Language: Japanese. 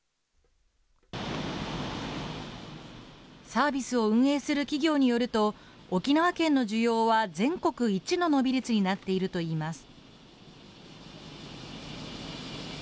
サービスを運営する企業によると、沖縄県の需要は全国一の伸び率になっているといいます。